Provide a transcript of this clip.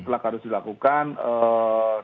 mutlak harus dilakukan eee